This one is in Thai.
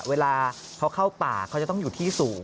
เวลาเขาเข้าป่าเขาจะต้องอยู่ที่สูง